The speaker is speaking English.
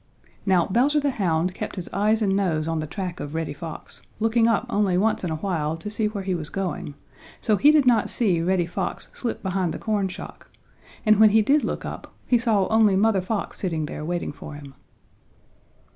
Now Bowser the Hound kept his eyes and nose on the track of Reddy Fox, looking up only once in a while to see where he was going, so he did not see Reddy Fox slip behind the corn shock, and when he did look up, he saw only Mother Fox sitting there waiting for him.